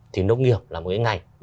thì nông nghiệp là một cái ngành